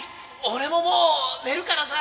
俺ももう寝るからさ。